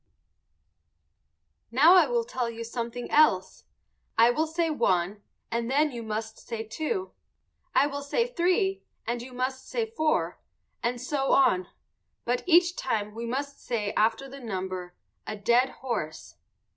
Now I will tell you something else. I will say one and then you must say two; I will say three, and you must say four and so on; but each time we must say after the number "a dead horse."